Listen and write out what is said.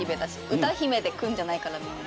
歌姫でくるんじゃないかなみんな。